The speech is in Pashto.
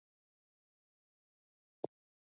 زیات انځورونه یې واخیستل.